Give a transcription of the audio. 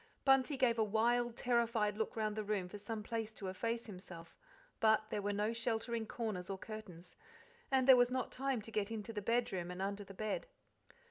Bunty gave a wild, terrified look round the room for some place to efface himself, but there were no sheltering corners or curtains, and there was not time to get into the bedroom and under the bed.